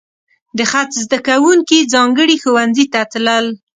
د خط زده کوونکي ځانګړي ښوونځي ته تلل.